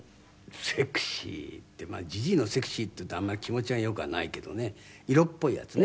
セクシーってまあじじいのセクシーっていうとあんまり気持ちはよくはないけどね色っぽいやつね。